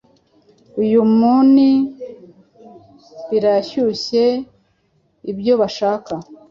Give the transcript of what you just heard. Uyu muni birahyuhye, ibyo bashaka